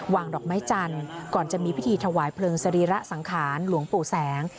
ดอกไม้จันทร์ก่อนจะมีพิธีถวายเพลิงสรีระสังขารหลวงปู่แสง